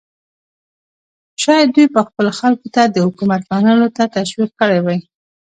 شاید دوی به خپلو خلکو ته د حکومت منلو ته تشویق کړي وای.